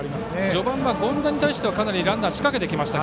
序盤が権田に対してはランナーは仕掛けてきました。